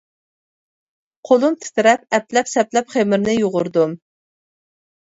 قولۇم تىترەپ ئەپلەپ سەپلەپ خېمىرنى يۇغۇردۇم.